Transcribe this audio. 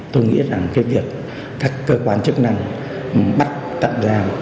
tôi nghĩ rằng cái việc các cơ quan chức năng bắt tạm giam